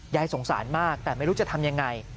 ยายสงสารมากแต่ไม่รู้จะทำยังไง